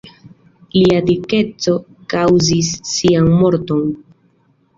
Lia dikeco kaŭzis sian morton.